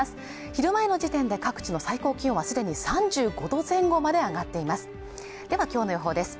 昼前の時点で各地の最高気温はすでに３５度前後まで上がっていますではきょうの予報です